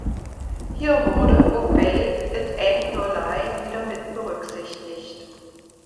Hier wurde "Oh Babe, It Ain't No Lie" wieder mitberücksichtigt.